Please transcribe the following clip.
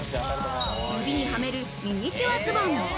指にはめるミニチュアズボン。